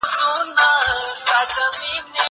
هغه څوک چي قلمان پاکوي روغ وي!؟